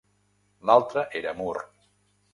L'altre era Mur.